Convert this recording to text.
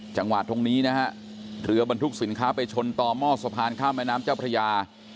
จังหวะตรงนี้นะฮะเรือบรรทุกสินค้าไปชนต่อหม้อสะพานข้ามแม่น้ำเจ้าพระยา